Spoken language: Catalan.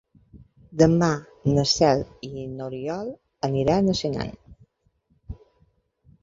Demà na Cel i n'Oriol aniran a Senan.